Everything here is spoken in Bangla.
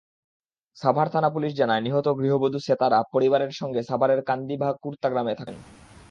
সাভার থানার পুলিশ জানায়, নিহত গৃহবধূ সেতারা পরিবারের সঙ্গে সাভারের কান্দিভাকুর্তা গ্রামে থাকতেন।